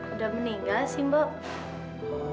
udah meninggal simbok